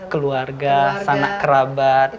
keluarga sanak kerabat